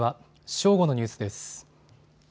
正午のニュースです。